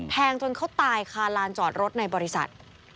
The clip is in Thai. แทงจนเขาตายคาลานจอดรถในบริษัท